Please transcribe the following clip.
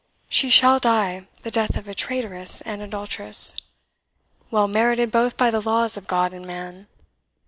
She shall die the death of a traitress and adulteress, well merited both by the laws of God and man!